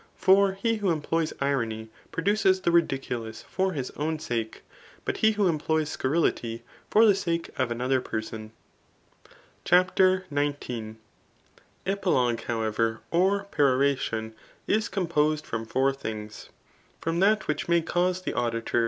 For he who employs irony, produces the ridiculous for his own sake; but he who employs scurrility, for the sake of another person. CHAPTER XIX. EputoGXJS, however, ;or peix>radon is composed from four things ;! from that which may cause the auditor to 290 THB.AKt.